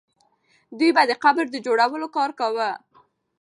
دوی به د قبر د جوړولو کار کاوه.